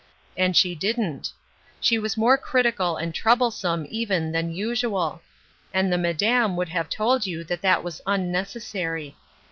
And she didn't. She was more critical and troublesome, even, than usual ; and the " Madame " would have told jom that that was unnecessary.